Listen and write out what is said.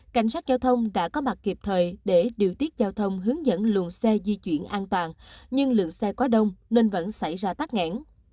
cảnh sát giao thông đã có mặt kịp thời để điều tiết giao thông hướng dẫn luồng xe di chuyển an toàn nhưng lượng xe quá đông nên vẫn xảy ra tắc nghẹn